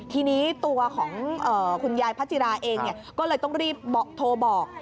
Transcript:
ทีนี้ตัวของคุณยายพระจิราเองก็เลยต้องรีบโทรบอก